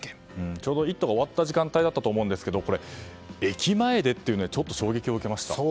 ちょうど「イット！」が終わった時間帯だったと思うんですが駅前でっていうのがちょっと衝撃を受けました。